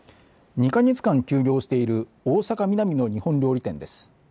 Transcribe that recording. ２か月間休業している大阪、ミナミの日本料理店です。